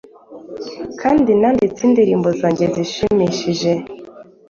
Kandi nanditse indirimbo zanjye zishimishije